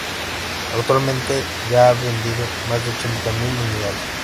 Actualmente ya ha vendido más de ochenta mil unidades.